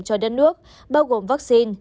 cho đất nước bao gồm vaccine